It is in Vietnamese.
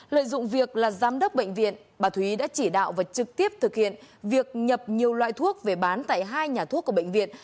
lợi dụng việc là giám đốc bệnh viện bà thúy đã chỉ đạo và trực tiếp thực hiện việc nhập nhiều loại thuốc về bán tại hai nhà thuốc của bệnh viện